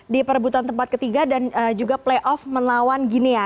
di perebutan tempat ketiga dan juga play off melawan guinea